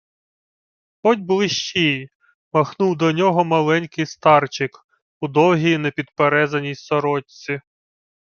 — Ходь ближчій, — махнув до нього маленький старчик у довгій непідперезаній сорочці.